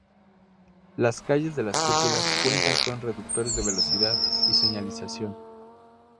Las calles de Las Cúpulas cuentan con reductores de velocidad, y señalización.